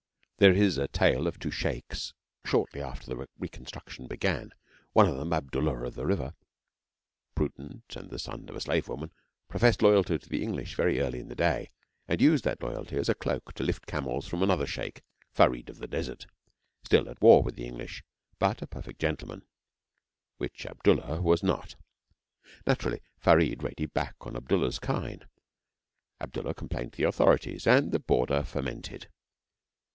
There is a tale of two Sheikhs shortly after the Reconstruction began. One of them, Abdullah of the River, prudent and the son of a slave woman, professed loyalty to the English very early in the day, and used that loyalty as a cloak to lift camels from another Sheikh, Farid of the Desert, still at war with the English, but a perfect gentleman, which Abdullah was not. Naturally, Farid raided back on Abdullah's kine, Abdullah complained to the authorities, and the Border fermented.